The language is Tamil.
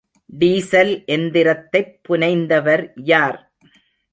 டீசல் எந்திரத்தைப் புனைந்தவர் யார்?